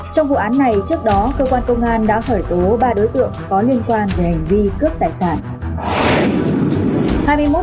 trong vụ án này trước đó cơ quan công an đã khởi tố ba đối tượng có liên quan về hành vi cướp tài sản